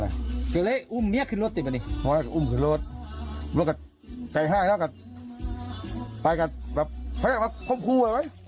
แล้วก็เลยอุ้มขึ้นรถเลยขู่